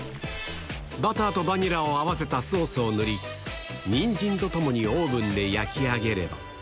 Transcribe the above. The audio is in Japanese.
バターとバニラを合わせたソースを塗り、ニンジンとともにオーブンで焼き上げれば。